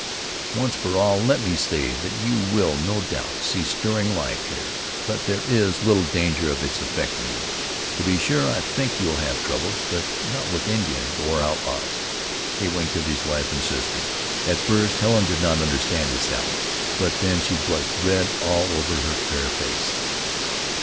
Once for all let me say that you will no doubt see stirring life here; but there is little danger of its affecting you. To be sure I think you'll have troubles; but not with Indians or outlaws." He winked at his wife and sister. At first Helen did not understand his sally, but then she blushed red all over her fair face.